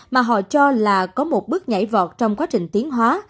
mà họ cho là có một bước nhảy vọt trong quá trình tiến hóa